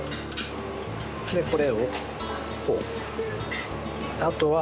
でこれをこう。